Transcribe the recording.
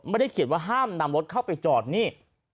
ไม่ได้เขียนว่าห้ามนำรถเข้าไปจอดนี่